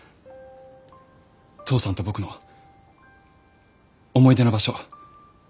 父さんと僕の思い出の場所。